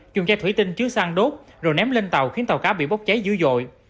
dùng chai thủy tinh chứa xăng đốt rồi ném lên tàu khiến tàu cá bị bốc cháy dữ dội